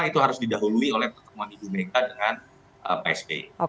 itu harus didahului oleh pertemuan ibu mega dengan psb